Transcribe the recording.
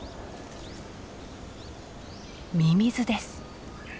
ミミズです。